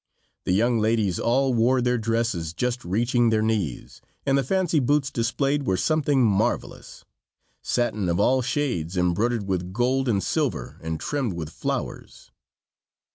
The young ladies all wore their dresses just reaching their knees, and the fancy boots displayed were something marvelous; satin of all shades, embroidered with gold and silver, and trimmed with flowers.